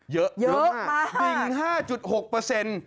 เยอะดิ่ง๕๖เยอะมาก